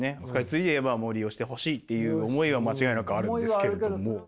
スカイツリーで言えば利用してほしいっていう思いは間違いなくあるんですけれども。